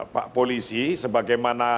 pak polisi sebagaimana